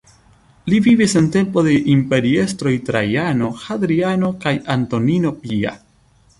Li vivis en tempo de imperiestroj Trajano, Hadriano kaj Antonino Pia.